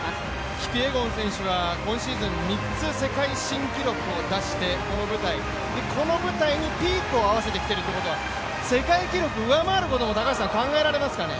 キピエゴン選手は今シーズン３つ世界新記録を出してこの舞台、この舞台にキープを合わせてきているということは世界記録上回ることも考えられますかね？